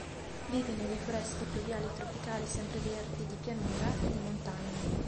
Vive nelle foreste pluviali tropicali sempreverdi di pianura e di montagna.